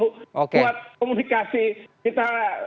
buat komunikasi kita